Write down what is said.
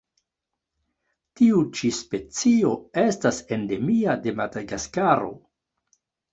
Tiu ĉi specio estas endemia de Madagaskaro.